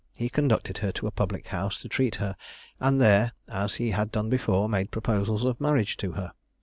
He conducted her to a public house to treat her, and there, as he had done before, made proposals of marriage to her.